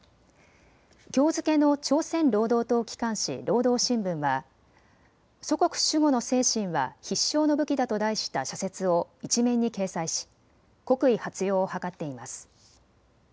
きょう付けの朝鮮労働党機関紙、労働新聞は祖国守護の精神は必勝の武器だと題した社説を１面に掲載し国威発揚を図っています。